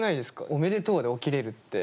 「おめでとう」で起きれるって。